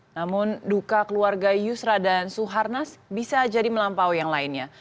namun duka keluarga yusra dan suharnas bisa jadi melampaui yang lainnya